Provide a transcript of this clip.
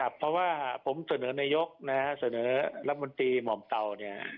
เพราะว่าผมเสนอนายกนะฮะเสนอรัฐมนตรีหม่อมเตาเนี่ย